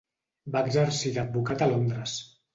Va exercir d'advocat a Londres.